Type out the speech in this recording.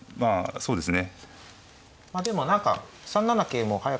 そうですね。